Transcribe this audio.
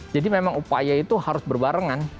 jadi memang upaya itu harus berbarengan